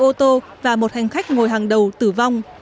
ô tô và một hành khách ngồi hàng đầu tử vong